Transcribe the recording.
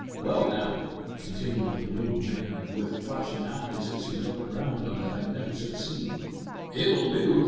Well, now," continued the little man, with flashing eyes, as he looked round on the magnificent scene, "it'll do.